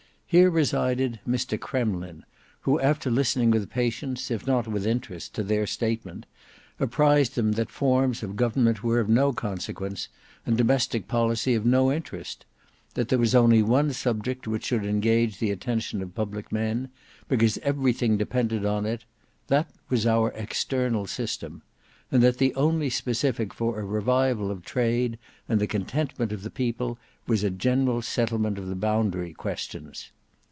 Here resided Mr KREMLIN, who after listening with patience if not with interest, to their statement, apprised them that forms of government were of no consequence, and domestic policy of no interest; that there was only one subject which should engage the attention of public men, because everything depended on it,—that was our external system; and that the only specific for a revival of trade and the contentment of the people, was a general settlement of the boundary questions.